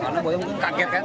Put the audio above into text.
karena buaya kaget kan